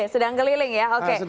sedang keliling ya